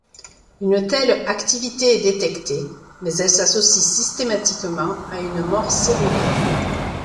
Une telle activité est détectée, mais elle s'associe systématiquement à une mort cellulaire.